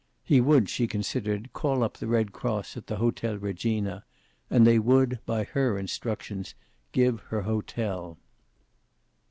He would, she considered, call up the Red Cross at the Hotel Regina, and they would, by her instructions, give her hotel.